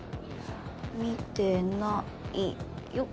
「見てないよ」。